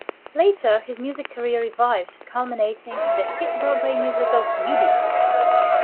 Later his music career revived, culminating in the hit Broadway musical, "Eubie!".